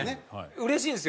うれしいんですよ。